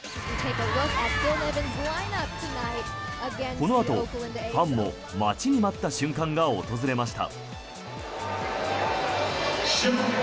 このあとファンも待ちに待った瞬間が訪れました。